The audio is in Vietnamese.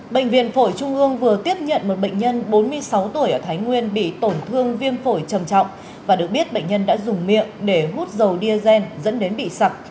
bệnh viện phổi trung ương vừa tiếp nhận một bệnh nhân bốn mươi sáu tuổi ở thái nguyên bị tổn thương viêm phổi trầm trọng và được biết bệnh nhân đã dùng miệng để hút dầu diesel dẫn đến bị sặc